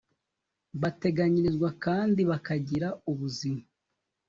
bateganyirizwa kandi bakagira ubuzima .